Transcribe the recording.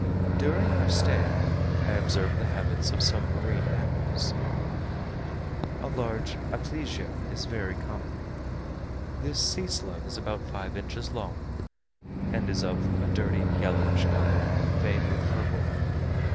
During our stay, I observed the habits of some marine animals. A large Aplysia is very common. This sea slug is about five inches long; and is of a dirty yellowish colour veined with purple.